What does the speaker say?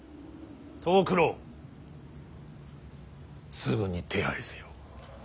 藤九郎すぐに手配せよ。